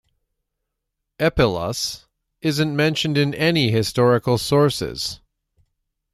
Eppillus isn't mentioned in any historical sources.